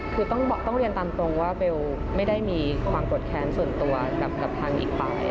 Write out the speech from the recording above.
คือต้องเรียนตามตรงว่าเบลไม่ได้มีความโกรธแค้นส่วนตัวกับทางอีกฝ่าย